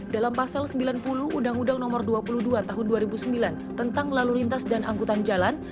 dalam pasal sembilan puluh undang undang nomor dua puluh dua tahun dua ribu sembilan tentang lalu lintas dan angkutan jalan